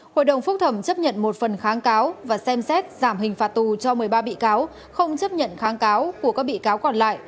hội đồng phúc thẩm chấp nhận một phần kháng cáo và xem xét giảm hình phạt tù cho một mươi ba bị cáo không chấp nhận kháng cáo của các bị cáo còn lại